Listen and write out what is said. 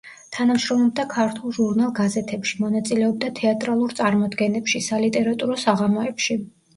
თანამშრომლობდა ქართულ ჟურნალ-გაზეთებში, მონაწილეობდა თეატრალურ წარმოდგენებში, სალიტერატურო საღამოებში.